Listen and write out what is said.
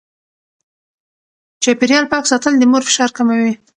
چاپېريال پاک ساتل د مور فشار کموي.